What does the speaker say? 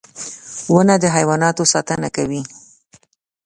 • ونه د حیواناتو ساتنه کوي.